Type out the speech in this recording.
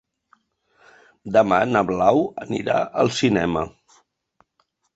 Demà na Blau anirà al cinema.